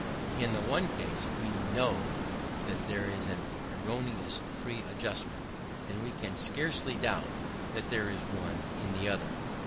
In the one case, we know that there is an erroneous preadjustment; and we can scarcely doubt that there is one in the other.